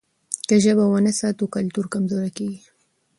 که ژبه ونه ساتو کلتور کمزوری کېږي.